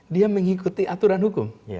dia mengikuti aturan hukum